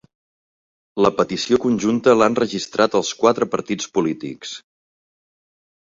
La petició conjunta l'han registrat els quatre partits polítics